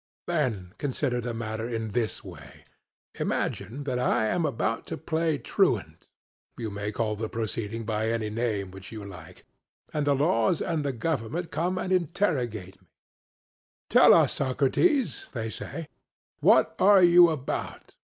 SOCRATES: Then consider the matter in this way: Imagine that I am about to play truant (you may call the proceeding by any name which you like), and the laws and the government come and interrogate me: 'Tell us, Socrates,' they say; 'what are you about?